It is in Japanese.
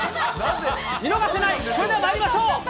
見逃せない、それではまいりましょう。